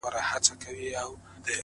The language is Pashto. • چي « منظور» به هم د قام هم د الله سي,